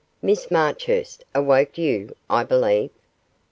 Miss Marchurst awoke you, I believe?